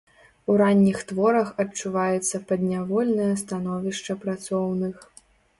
У ранніх творах адчуваецца паднявольнае становішча працоўных.